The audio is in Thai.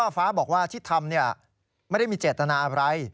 ฟ้าบอกว่าชิดธรรมนี้ไม่ได้มีเจตนาอะไร